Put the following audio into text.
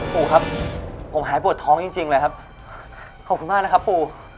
ปู่ครับผมหายปวดท้องจริงจริงเลยครับขอบคุณมากนะครับปู่